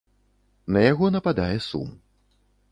На яго нападае сум.